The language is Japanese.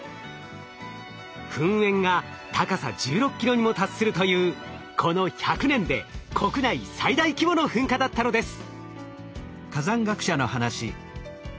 噴煙が高さ１６ｋｍにも達するというこの１００年で国内最大規模の噴火だったのです。